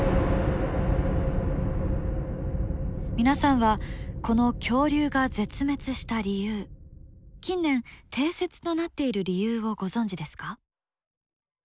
皆さんはこの恐竜が絶滅した理由近年定説となっている理由をご存じですか？